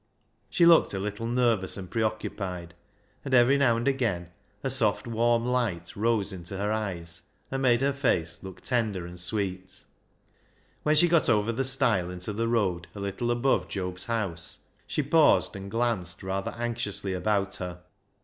She looked a little nervous and preoccupied, and every now and again a soft warm light rose into her eyes and made her face look tender and sweet. THE HAUNTED MAN 405 When she got over the stile into the road, a Httle above Job's house, she paused and glanced rather anxiously about her.